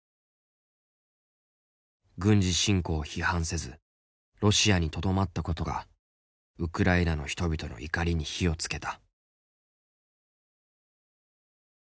軍事侵攻を批判せずロシアにとどまったことがウクライナの人々の怒りに火をつけた。